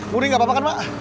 murni gak apa apa kan mak